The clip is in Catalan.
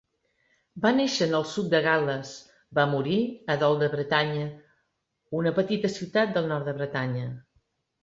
Va néixer en el sud de Gal·les, va morir a Dol-de-Bretagne, una petita ciutat del nord de Bretanya.